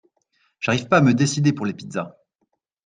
J'arrive pas à me décider pour les pizzas.